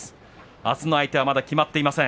あすの相手はまだ決まっていません。